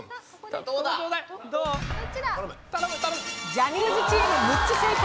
ジャニーズチーム６つ正解